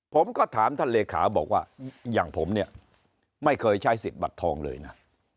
ผมก็ถามท่านเลขาบอกว่าอย่างผมเนี่ยไม่เคยใช้สิทธิ์บัตรทองเลยนะ